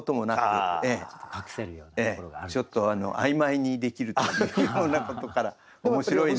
ちょっと曖昧にできるというようなことから面白いな。